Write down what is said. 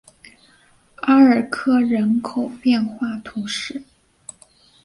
阿尔科人口变化图示